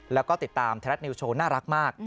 แล้วก็ติดตามไทยรัฐนิวโชว์น่ารักมาก